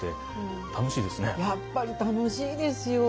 やっぱり楽しいですよ。